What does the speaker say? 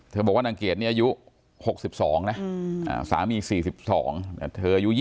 เธอบอกว่านางเกดนี้อายุ๖๒นะสามี๔๒แต่เธออายุ๒๗